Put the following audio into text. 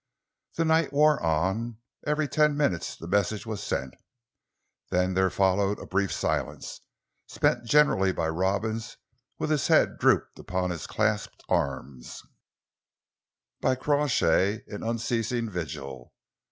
The night wore on. Every ten minutes the message was sent. Then there followed a brief silence, spent generally by Robins with his head drooped upon his clasped arms; by Crawshay in unceasing vigil.